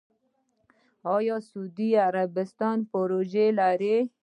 آیا سعودي عربستان پروژې لري؟